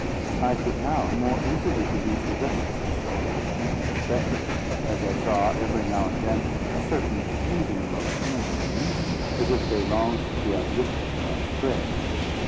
I could now more easily believe the rest of her story; especially as I saw, every now and then, a certain heaving motion in the wings, as if they longed to be uplifted and outspread.